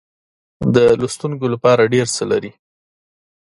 د لوستونکو لپاره ډېر څه لري.